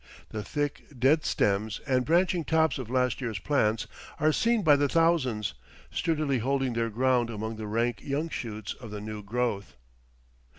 The thick, dead stems and branching tops of last year's plants are seen by the thousands, sturdily holding their ground among the rank young shoots of the new growth.